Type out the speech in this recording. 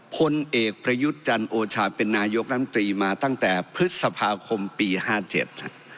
พลเอกประยุทธ์จันโอชาเป็นนายกรัฐมนตรีมาตั้งแต่พฤษภาคมปีห้าเจ็ดฮะ